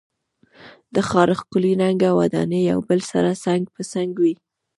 د ښار ښکلی رنګه ودانۍ یو بل سره څنګ په څنګ وې.